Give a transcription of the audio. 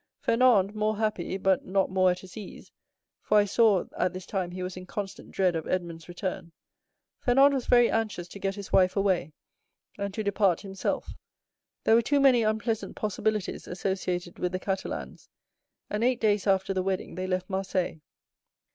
Fernand, more happy, but not more at his ease—for I saw at this time he was in constant dread of Edmond's return—Fernand was very anxious to get his wife away, and to depart himself. There were too many unpleasant possibilities associated with the Catalans, and eight days after the wedding they left Marseilles."